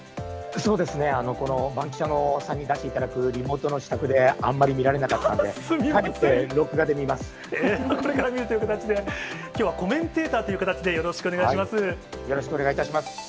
そうですね、このバンキシャさんに出していただくリモートの、あんまり見られなかったんで、きょうはコメンテーターといよろしくお願いいたします。